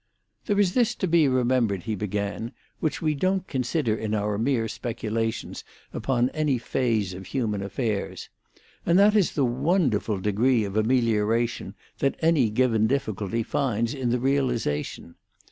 "There is this to be remembered," he began, "which we don't consider in our mere speculations upon any phase of human affairs; and that is the wonderful degree of amelioration that any given difficulty finds in the realisation.